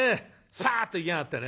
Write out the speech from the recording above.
スパッといきやがってね。